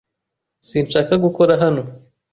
Sinshaka gukora hano.